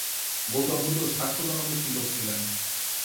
গৌতম বুদ্ধ শাক্য জনগোষ্ঠীর লোক ছিলেন।